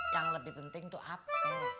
yang lebih penting itu apa